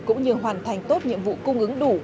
cũng như hoàn thành tốt nhiệm vụ cung ứng đủ